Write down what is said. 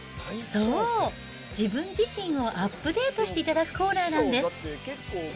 そう、自分自身をアップデートしていただくコーナーなんです。